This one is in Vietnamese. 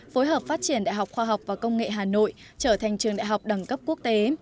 phối hợp phát triển đại học khoa học và công nghệ hà nội trở thành trường đại học đẳng cấp quốc tế